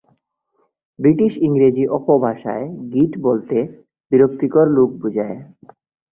British ইংরেজি অপভাষায় git বলতে "বিরক্তিকর লোক" বোঝায়।